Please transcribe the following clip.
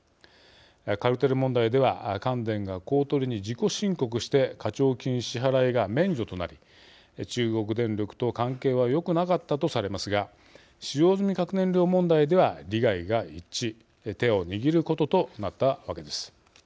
カルテル問題では関電が公取に自己申告して課徴金支払いが免除となり中国電力と関係はよくなかったとされますが使用済み核燃料問題では利害が一致手を握ることとなったわけです。